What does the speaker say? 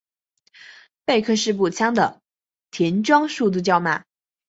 贝克式步枪的填装速度较慢。